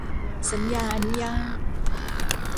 สัญญาอนุญาต